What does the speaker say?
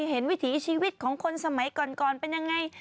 วิถีชีวิตของคนสมัยก่อนเป็นยังไง